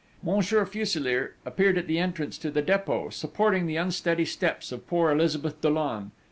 Monsieur Fuselier appeared at the entrance to the Dépôt, supporting the unsteady steps of poor Elizabeth Dollon.